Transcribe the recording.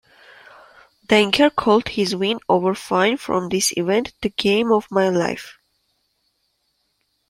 Denker called his win over Fine from this event 'the game of my life'.